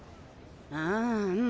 ああうん